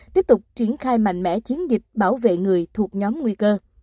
tiếp tục triển khai mạnh mẽ chiến dịch bảo vệ người thuộc nhóm nguy cơ